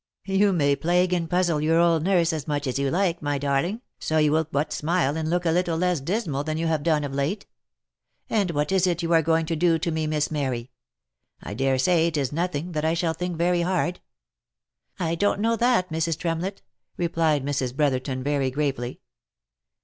"" You may plague and puzzle your old nurse as much as you like, my darling, so you will but smile and look a little less dismal than you have done of late. And what is it you are 1 going to do to me, Miss Mary ? I dare say it is nothing that I shall think very hard." " I don't know that, Mrs. Tremlett." replied Mrs. Brotherton very gravely.